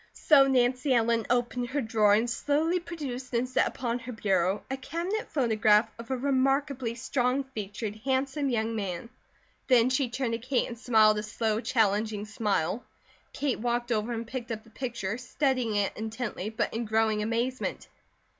So Nancy Ellen opened her drawer and slowly produced and set upon her bureau a cabinet photograph of a remarkably strong featured, handsome young man. Then she turned to Kate and smiled a slow, challenging smile. Kate walked over and picked up the picture, studying it intently but in growing amazement.